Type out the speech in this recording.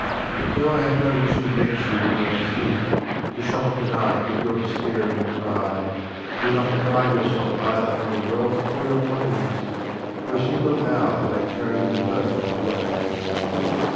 Though I have no wish to vex you in your sleep, to shock the night with your despairing cries, do not pride yourself either on your wealth or your comeliness, for a single hour may carry them both away.